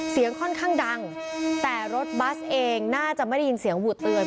เสียงค่อนข้างดังแต่รถบัสเองน่าจะไม่ได้ยินเสียงหวูดเตือน